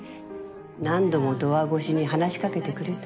何度もドア越しに話しかけてくれたり。